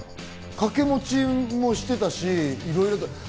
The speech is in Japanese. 掛け持ちもしてたし、いろいろ。